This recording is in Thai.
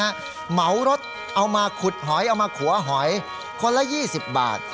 เหมารถเอามาขุดหอยเอามาขัวหอยคนละ๒๐บาท